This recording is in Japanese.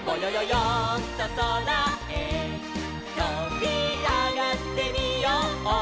よんとそらへとびあがってみよう」